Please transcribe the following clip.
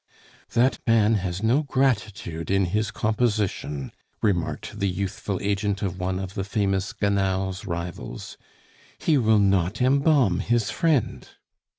"That man has no gratitude in his composition," remarked the youthful agent of one of the famous Gannal's rivals; "he will not embalm his friend."